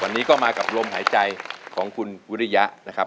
วันนี้ก็มากับลมหายใจของคุณวิริยะนะครับ